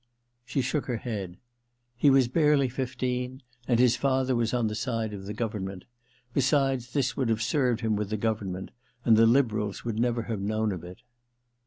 She shook her head. ^ He was barely fifteen — ^and his father was on the side of the govern ment. Besides, this would have served him with the government, and the liberals would never have known of it.